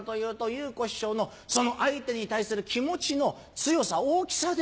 祐子師匠のその相手に対する気持ちの強さ大きさで